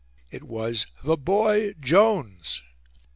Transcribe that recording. It was "the boy Jones."